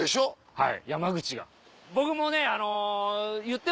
はい。